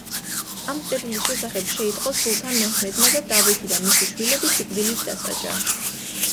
ამ წერილის შესახებ შეიტყო სულთან მეჰმედმა და დავითი და მისი შვილები სიკვდილით დასაჯა.